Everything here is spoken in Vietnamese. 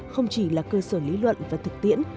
không chỉ là cơ sở lý luận và thực tiễn